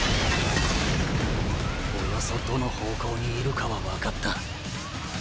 ・およそどの方向にいるかはわかった。